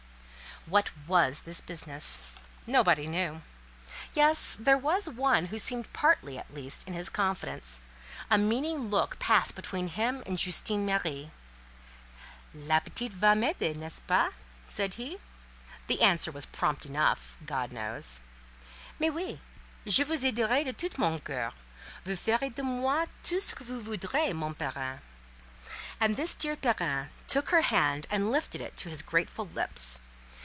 What was this business? Nobody knew. Yes, there was one who seemed partly, at least, in his confidence; a meaning look passed between him and Justine Marie. "La petite va m'aider—n'est ce pas?" said he. The answer was prompt enough, God knows? "Mais oui, je vous aiderai de tout mon coeur. Vous ferez de moi tout ce que vous voudrez, mon parrain." And this dear "parrain" took her hand and lifted it to his grateful lips.